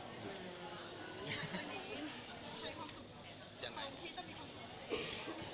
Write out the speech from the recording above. ข้าได้ยินใช้ความสุขแบบไหน